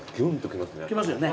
きますよね。